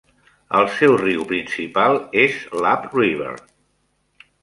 El seu riu principal és Lab River.